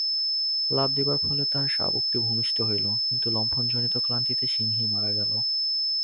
লাফ দিবার ফলে তাহার শাবকটি ভূমিষ্ঠ হইল, কিন্তু লম্ফন-জনিত ক্লান্তিতে সিংহী মারা গেল।